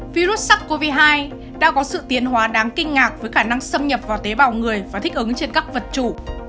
virus sars cov hai đang có sự tiến hóa đáng kinh ngạc với khả năng xâm nhập vào tế bào người và thích ứng trên các vật chủ